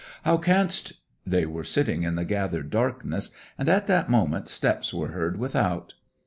How canst ' They were sitting in the gathered darkness, and at that moment steps were heard without.